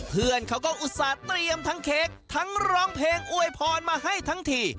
เพื่อนเขาก็อุตส่าห์เตรียมทั้งเค้กทั้งร้องเพลงอวยพรมาให้ทั้งที